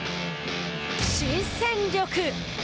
新戦力。